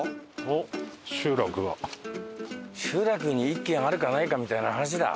集落に１軒あるかないかみたいな話だ。